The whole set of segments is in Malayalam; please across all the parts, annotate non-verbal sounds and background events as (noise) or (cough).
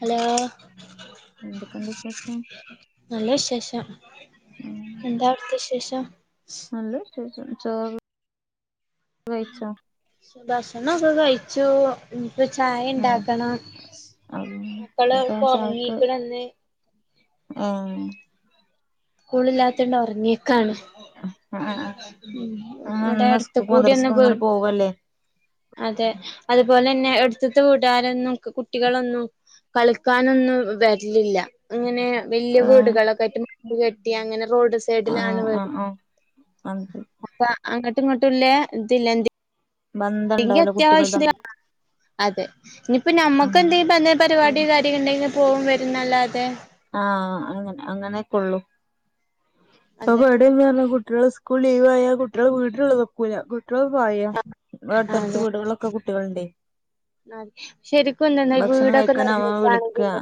ഹലോ എന്തൊക്കെണ്ട് വിശേഷം നല്ല വിശേഷം ഉം എന്താ അവ്ട്ത്തെ വിശേഷം? നല്ല വിശേഷം ചോറ് കാഴ്ച (unintelligible) കഴിച്ചു ഇനിപ്പ ആഹ് ചായണ്ടാക്കണം മക്കള് അപ്പ എൾപ്പൊർങ്ങീക്ക്ണ്ന്ന് ഏമ് സ്കൂളില്ലാത്തണ്ട് ഉറങ്ങിക്കാണ് ആഹ് ആഹ് ആഹ് ഇവിടെ ഇന്ന് അടുത്ത സ്കൂൾക്കും കൂടിന്നെ മദ്രസ്ക്കും ഇങ്ങനെ പോവല്ലേ അതെ. അതുപോലെന്നെ എടുത്തുത്തെ വീട്ടാരെന്നും കുട്ടികളൊന്നും കളിക്കാനൊന്നും വര്ലില്ലാ ങ്ങെനേ വല്ല്യ ആഹ് വീടുകളൊക്കെ ആയിറ്റും കെട്ടി അങ്ങനെ റോഡ് സൈഡിലാണ് ആഹ് വീട്. ആഹ് ആഹ് അത് അപ്പ അങ്ങട്ടും ഇങ്ങട്ടുംല്ലെ ഇതില്ലെ എന്തേ കി ബന്ധണ്ടാവൂല കുട്ടികൾ അത്യാവശ്യ തമ്മിൽ അതെ ഇനിപ്പ നമ്മുക്ക് ആഹ് എന്തെങ്കും പലേ ഉം പരിപാടി (unintelligible) ഉണ്ടെങ്കിൽ പോകും വരുന്നല്ലാതെ ആ അങ്ങനെ അങ്ങനെക്കൊള്ളു ഇപ്പൊ അതെ പേടിന്നുലകുട്ട് കുട്ടിൾ സ്കൂള് ലീവായാ കുട്ടിൾ വീട്ടിലക്കൂല്ല കുട്ടിൾ പായ അടുത്തടുത്ത് വീടുകള ഒക്കെ കുട്ടികളുണ്ട് അതെ ശരിക്കുംന്നന്നാ ഭക്ഷണം വീടൊക്കെ കഴിക്കാനാവാ നിർഞ്ഞിക്കാണെങ്ക വിളിക്കാ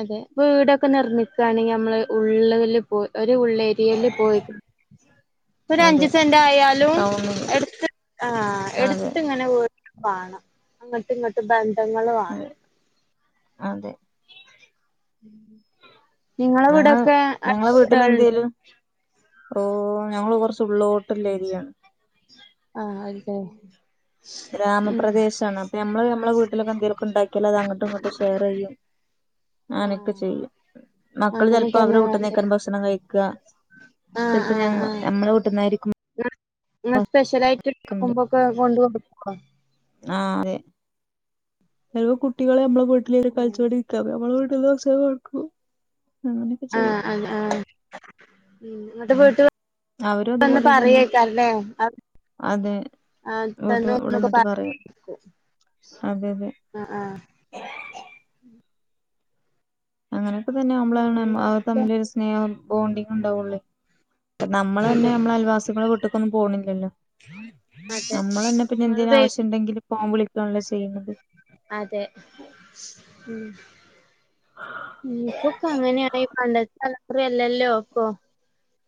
അതെ വീടൊക്കെ നിർമ്മിക്കാണെങ്കി നമ്മള് ഉള്ള്ല് പോയ് ഒര് ഉള്ളേര് എലി പോയത് ഒരു അഞ്ച് അതെ സെന്റ് ആയാലും ടൗണില് എടുത്ത് ആ അതെ എടുത്തിങ്ങനെ വീ വാണം അങ്ങട്ട് ഇങ്ങട്ട് ബന്ധങ്ങള് വാണം അതെ അതെ. (inaudible) നിങ്ങളെ ആഹ് വീടൊക്കെ അടുത്ത ഞങ്ങളെ വീടുകളുണ്ടോ വീട്ടിലെന്തേലും ഓ ഞങ്ങള് കൊർച്ച് ഉള്ളോട്ട്ള്ളേരിയാണ്. ആഹ് അതെ ഉം ഗ്രാമപ്രദേശാണ് അപ്പൊഞമ്മള് ഞമ്മളെ വീട്ടിലൊക്കെ എന്തേലൊക്കെണ്ടാക്കിയാലതങ്ങട്ടുംഇങ്ങട്ടും ഷേറെയ്യും ആ അങ്ങനൊക്കെ ചെയ്യും മക്കള് അങ്ങനെ ചെലപ്പോ തന്നെ അവരെ വേണ്ടേ വീട്ടുന്നായിരിക്കും ഭക്ഷണം കഴിക്ക ആ ചിലപ്പം ആ ഞ ആ നമ്മളെ വീട്ടുന്നായിരിക്കും ഇങ്ങള് സ്പെഷലായിട്ട് ണ്ട് ഉണ്ടാക്കുമ്പോയൊക്കെ കൊണ്ടോ കോടുക്കോ ആഹ് ഏ കുട്ടികളെ നമ്മളെ വീട്ടിലിങ്ങനെ ഉം കളിച്ചോണ്ടിരിക്ക അപ്പൊ നമ്മളെ വീട്ടില് കുറച്ചേരം കളിക്കു അങ്ങനൊക്കെ ആഹ് ചെയ്യും ആഹ് ഉം എന്നിട്ട് വീട്ടിൽ അവരും വന്ന് അതുപോലെ തന്നെ പറയേക്കല്ലേ ആഹ് അതെ വീട്ട് ഇവിടെ വന്നിട്ട് പറയും (unintelligible) (unintelligible) അതെ അതെ ആഹ് ആഹ് അങ്ങനെയൊക്കെ തന്നെ ആവുമ്പോളാണ് പിന്നെന്താ അവറ് തമ്മില് സ്നേഹം ബോണ്ടിങ്ങുണ്ടാവുള്ളേ ഇപ്പ നമ്മള് തന്നെ അതെ നമ്മള അയൽവാസികളെ വീട്ടിലേക്കൊന്നും പോണില്ലല്ലോ അതെ നമ്മളെന്നെ പിന്നെ ഇങ്ങള് എന്തേലും വെ ആവിശ്യണ്ടെങ്കില് ഫോം വിളിക്കണല്ലോ അതെ ചെയ്ന്നത് അതെ ഉം. ഇപ്പോ ഒക്ക അങ്ങനെ ആയി പണ്ടത്തെമാതിരി അല്ലാലോ ഇപ്പോ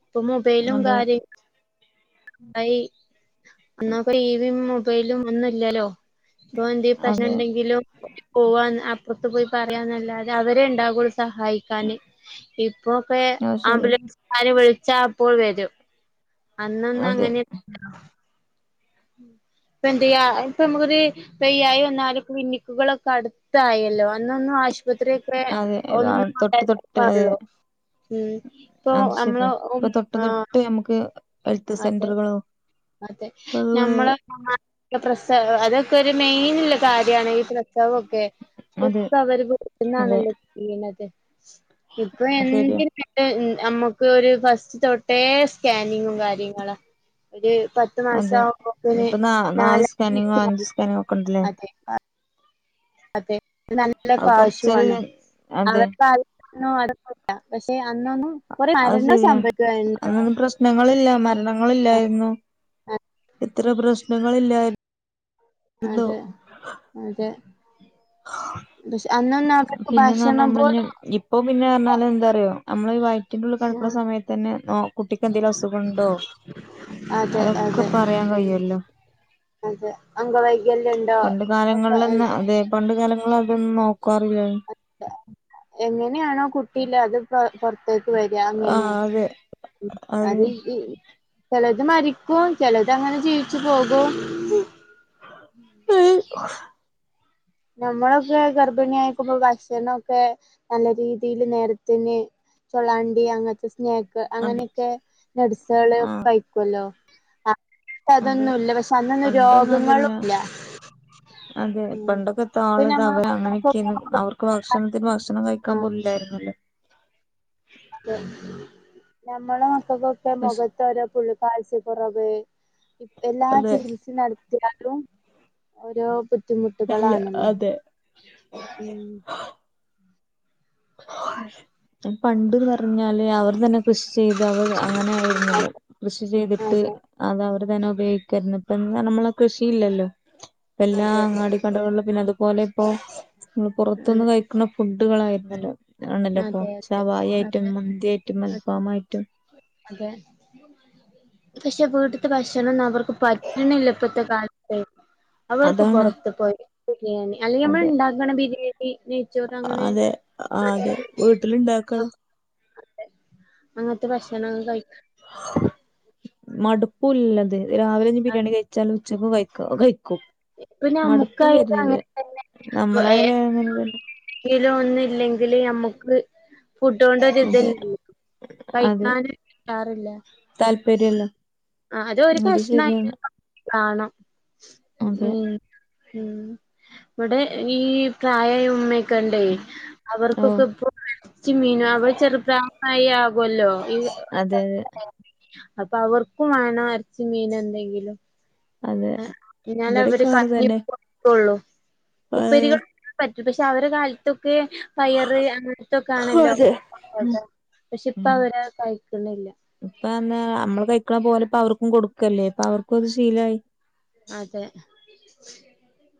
ഇപ്പൊ മൊബൈലും അതെ കാര്യ. ഐ അന്നാപ ടിവിം മുബൈലും ഒന്നുല്ലലോ ഇപ്പോ എന്തെ അതെ പ്രശണ്ടെങ്കിലും. പോവാന്ന് അപ്പൊർത്ത് പോയി പറയാന്നല്ലാതെ അവരെ ഇണ്ടാവുള്ളൂ സഹായി ക്കാന്ന് ഇപ്പോക്കെ അത് ശരി ആംബുലൻസ്കാര് വിള്ച്ചാ അപ്പോൾ വരും. അതെ അന്നൊന്നങ്ങനെ (unintelligible) ഇപ്പ എന്തയ്യ ഇപ്പ നമുക്കൊര് വെയ്യായി വന്നാലു ക്ലിനിക്ക്കളൊക്കെ അടുത്തായല്ലോ അന്നൊന്നും ആശ്. അതെ ആ, തൊട്ട് തൊട്ട് അതെ (unintelligible) ഇപ്പൊ അത് അമ്മളെ ശരിയാ ഉം ഇപ്പൊ തൊട്ട് ആ തൊട്ട് നമുക്ക് ഹെൽത്ത് അതെ സെന്ററുകളോ അതെ അതുപോലെ നമ്മള ആഹ് പ്രസ ഹ് അതൊക്കെ ഒരു മെയിൻള്ള കാര്യാണ് ഈ പ്രസവൊക്കെ അതെ ഇപ്പോ അവര് അതെ വീട്ടീന്നാണല്ലോ ചെയ്യണത് ഇപ്പൊ അത് ശരിയാ എന്തിനും നമ്മുക്ക് ഒരു ഫസ്റ്റ് തൊട്ടേ സ്കാനിങ്ങും കാര്യങ്ങളാ ത് നാശവും ഇഞ്പ്പൊ നാ നാല് സ്കാനിങ്ങോ അഞ്ചു സ്കാനിങ്ങോ ഒക്കെ ഉണ്ട്ലേ. അതെ അതെ അതിന് നല്ല അത് കൊറച്ചൊരു കാശുവാണം അതെ അവര്ടെ കാല നൊ അതൊന്നുല്ല പക്ഷെ അന്നൊന്നും കൊറേ മരണം സംഭവിക്കുവായിര്ന്നില്ല ണങ്ങളില്ല മരണങ്ങളില്ലായിര്ന്നു. ഇത്ര പ്രശ്നങ്ങൾ ഇല്ലായിരുന്നല്ലോ അതെ അതെ. ഹാ. ഷേ അന്ന പിന്നെന്ന് പറഞ്ഞാ നമ്മള് ഇപ്പൊ പിന്നെ പറഞ്ഞാല് എന്താനന്നിയോ നമ്മള് വായി വയിറ്റിന്റുള്ളിൽ കിടക്കുന്ന ആഹ് സമയത്തെന്നെ കുട്ടിക്കെന്തേലും അസുഖം ഉണ്ടോ അതെ അതോക്കെ അതെ പറയാൻ കഴിയല്ലോ. അതെ അംഗവൈകല്യം ഉണ്ടോ പണ്ട് ഒക്കെ കാലങ്ങളിലൊന്നു അതെ പണ്ട് കാലങ്ങളിൽ അതൊന്നും നോക്കാറില്ലെ. എങ്ങനെയാണ് കുട്ടിയില്ലാതെ പുറത്തേക്ക് വര അങ്ങെനെ ആഹ് അതെ അത് ചിലത് മരി പ്പോം ചെലതങ്ങനെ ജീവിച്ചു പോകും. ഹ് ഹ് (unintelligible) നമ്മളൊക്കെ ഗർഭിണി ആയിക്കുമ്പോ ഭക്ഷണൊക്കെ നല്ല രീതിയില് നേരത്തിന് ചൊളാണ്ടി അങ്ങനത്തെ സ്നേക്ക് അതെ അങ്ങനെയൊക്കെ നെട്സള് ഒക്കെ ആഹ് കഴിക്കൊല്ലോ അ അതെ പ്പഅതൊന്നുല്ല പക്ഷെ അന്നൊന്നും പണ്ടൊന്നും അതില്ല രോഗങ്ങളുല്ല ഉം. ഇപ്പൊ ആളത് ഞമ്മളെ അവര് മക്കൾക്കൊക്കെ അങ്ങനെയൊക്കെയായിരുന്നു അവർക്ക് ഭക്ഷണത്തിന് ഭക്ഷണം ആ കഴിക്കാപോലില്ലായിന്നല്ലോ തെ നമ്മളെ മക്കക്കൊക്കെ മൊഖ ഇപ്പാരാ ഫുള്ള് കാത്സ്യകൊറവ് ഇപ് എല്ലാ അതെ ചികില്സിം നടത്തി ത്തിയാലും ഓരോ അല്ല ബുദ്ധിമുട്ടുകളാണല്ലോ അതെ ഉം പണ്ട് പറഞ്ഞാല് അവർ തന്നെ. കൃഷി ചെയ്ത് അവത് അങ്ങനെ ആയിരുന്നല്ലോ കൃഷി ചെയ്തിട്ട്. അതെ അത് അവർ തന്നെ ഉപയോക്കേന്നു ഇപ്പന്ന് റഞ്ഞനമ്മളെ കൃഷിയില്ലല്ലോ ഇപ്പല്ലാം അതെ അങ്ങാടി. കടകള്ളില് പിന്നെ അതുപോലെ ഇപ്പോ മ്മള് പൊറത്ത്ന്ന് കയ്ക്കുന്ന ഫുഡുകളായിരുന്നല്ലോ. ആണല്ലൊപ്പൊ അതെ അതെ ശവായി ആയ്റ്റും അതെ അതെ മന്തിയയ്റ്റും അതെ മൽഫാമയ്റ്റും. അതെ പക്ഷെ വീട്ട്ത്തെ ഭക്ഷണൊന്നും അവർക്ക് പറ്റ്ണില്ല ഇപ്പത്തെ കാലത്ത്. അവർക്ക് അതാണ് പുറത്ത് പോയി ബിരിയാണി അല്ലെങ്കിൽ നമ്മൾ അതെ ഉണ്ടാക്കണ ബിരിയാണി നെയ്ച്ചോറ് അങ്ങനെ ആഹ് അതെ വീട്ടിലുണ്ടാക്കണം അതെ അങ്ങനത്തെ ഭക്ഷണം കഴിക്ക് മടുപ്പുല്ലത് രാവിലെ ബിരിയാണി കയ്ച്ചാലും. ഇച്പ്പോ കൈക്കോ കൈക്കും ഇപ്പൊ മടുപ്പും നമ്മുക്കായിട്ട് വരുന്നില്ലേ അങ്ങനെ നമ്മളായാലും അങ്ങനെ തന്നെ ഇലൊ ഒന്നും ഇല്ലെ ഇതില് ഞമ്മക്ക് ഫുഡോണ്ടൊരിത് അതെ അത് കയിക്കാൻ കയ്യാറില്ല താല്പര്യല്ല ആദ്യോ ഒരു അത് കശ്നണം ശരിയാണ് അയിന്റെ മോള്ള് കാണം അതെ ഉം ഉം ഇവിടെ ഈ പ്രായായ ഉമ്മേ കണ്ടേ ഉം ഓ അവർക്കൊക്കെ ഇപ്പോ എറച്ചിയു മീനാ അവര് ചാറു തൈ ആകല്ലോ ഈ അതെ അതെ അപ്പൊ അവർ. എൻക്കും വേണോ എറച്ചീമീനെന്തെങ്കിലും അതെ ഏഹ എനാല ഇവര് ഇവിടെക്കെ അങ്ങനെ തന്നെ കഞ്ഞിപോലു ഉള്ളൂ പഴയത് ഉപ്പേരികളൊക്കെ പറ്റും പക്ഷെ അവരെ കാലത്തൊക്കെ പയറ് അങ്ങൻതൊക്കെ ആണല്ലോ കൊടുക്ക പക്ഷെ ഇപ്പ ഉം അവരത് കഴിക്കുന്നില്ല ഇപ്പ എന്നാ നമ്മള് കഴിക്കണപോലെ ഇപ്പവർക്കും കൊടുക്കല്ലേ അപ്പൊ അവർക്കത് ശീലാമായി അതെ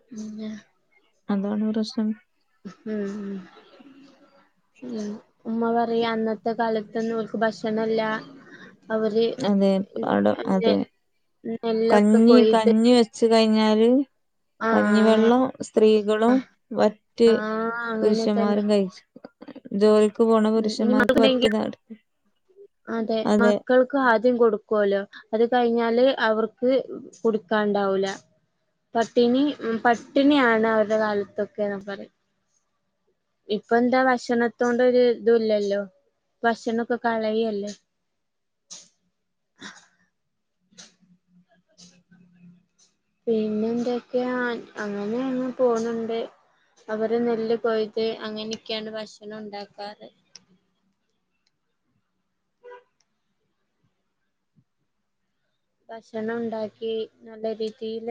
പിന്നെ. അതാണ് പ്രശ്നം ഉം ഉം ഉമ്മ പറയ അന്നത്തെ കാലത്ത് ഇതെന്നോർക്ക് ഭക്ഷണില്ല അതെ അ ടെ അതെ നെല്ലൊക്കെ കഞ്ഞി കൊയ്ത് കഞ്ഞി വെച്ച് കയ്ഞ്ഞാല്. ആഹ് കഞ്ഞിവെള്ളം സ്ത്രീകളും വറ്റ്. ആഹ് അങ്ങനെ തന്നെ പുരുഷന്മാരും കയ്ച്. ജോലിക്ക് പോണ ഉം ഇനി പുരുഷന്മാർക്ക് മക്കളുണ്ടെങ്കിൽ വറ്റ്താട് അതെ. ആദ്യം കൊടുക്കുവല്ലോ അത് കഴിഞ്ഞാല് അവർക്ക് കുടിക്കാനുണ്ടാവില്ല പട്ടിണി പട്ടിണിയാണ് അവരുടെ കാലത്തൊക്കൊയെന്ന് പറയും ഇപ്പൊന്താ ഭക്ഷണത്തോണ്ടൊര്. ഇതുല്ലല്ലോ ഭക്ഷണൊക്കെ കളയല്ലേ പിന്നെന്തൊക്കെയാ അങ്ങനെ അങ്ങ് പോന്നുണ്ട് അവര് നെല്ല് കൊയ്ത് അങ്ങനെയൊക്കെയാണ് ഭക്ഷണം ഉണ്ടാക്കാറ് ഭക്ഷണം ഉണ്ടാക്കി നല്ല രീതിൽ